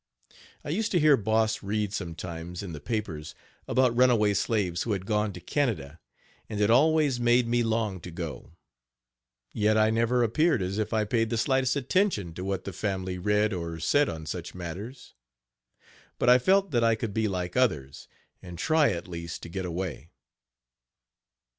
I used to hear Boss read sometimes, in the papers, about runaway slaves who had gone to Canada, and it always made me long to go; yet I never appeared as if I paid the slightest attention to what the family read or said on such matters; but I felt that I could be like others, and try at least to get away.